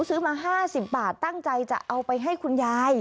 ซื้อมา๕๐บาทตั้งใจจะเอาไปให้คุณยาย